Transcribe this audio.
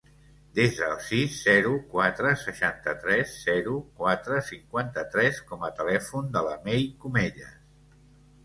Desa el sis, zero, quatre, seixanta-tres, zero, quatre, cinquanta-tres com a telèfon de la Mei Comellas.